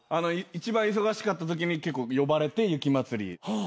一番忙しかったときに結構呼ばれて雪まつり。